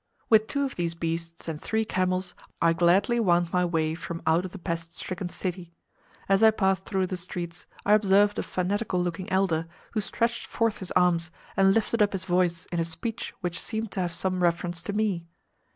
With two of these beasts and three camels I gladly wound my way from out of the pest stricken city. As I passed through the streets I observed a fanatical looking elder, who stretched forth his arms, and lifted up his voice in a speech which seemed to have some reference to me.